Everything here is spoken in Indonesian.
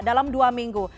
dalam dua minggu